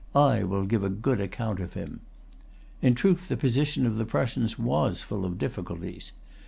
I will give a good account of him." In truth, the position of the Prussians was full of difficulties.